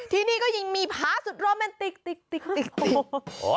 ที่นี่ก็ยังมีผาสุดโรแมนติกโอ้โห